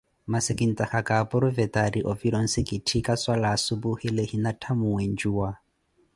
masi kintaaka kaaporovetari ovira onsikitthi kaswali asuphuhi lihina tthamuwe njuwa.